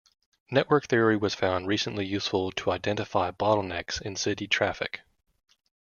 Network theory was found recently useful to identify bottlenecks in city traffic.